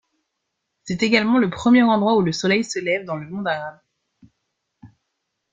C'est également le premier endroit où le soleil se lève dans le monde arabe.